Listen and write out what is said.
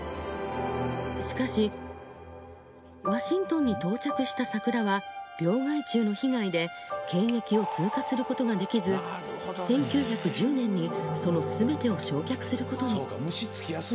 しかしワシントンに到着した桜は病害虫の被害で検疫を通過することができず１９１０年にそのすべてを焼却することに。